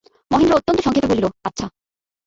মহেন্দ্র অত্যন্ত সংক্ষেপে বলিল, আচ্ছা।